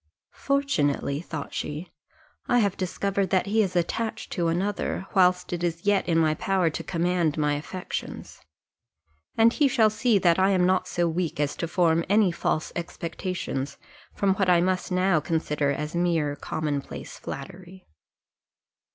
"Fortunately," thought she, "I have discovered that he is attached to another, whilst it is yet in my power to command my affections; and he shall see that I am not so weak as to form any false expectations from what I must now consider as mere common place flattery."